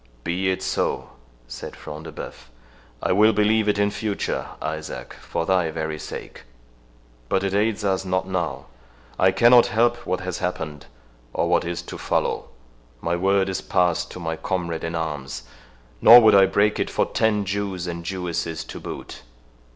"Be it so," said Front de Bœuf; "I will believe it in future, Isaac, for thy very sake—but it aids us not now, I cannot help what has happened, or what is to follow; my word is passed to my comrade in arms, nor would I break it for ten Jews and Jewesses to boot.